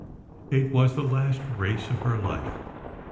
it was the last race of her life.